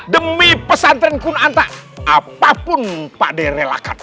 demi pesantren kun anta apapun pade relakan